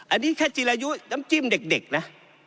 อันนี้แค่จีรายุน้ำจิ้มเด็กนะ